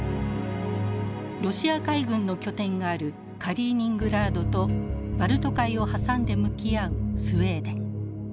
ロシア海軍の拠点があるカリーニングラードとバルト海を挟んで向き合うスウェーデン。